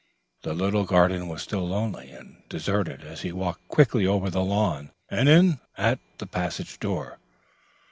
The little garden was still lonely and deserted as he walked quickly over the lawn and in at the passage door.